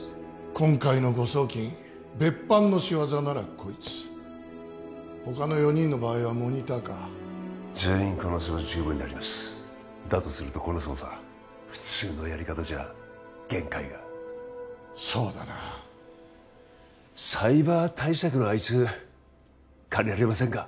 今回の誤送金別班の仕業ならこいつ他の４人の場合はモニターか全員可能性は十分にありますだとするとこの捜査普通のやり方じゃ限界がそうだなサイバー対策のあいつ借りられませんか？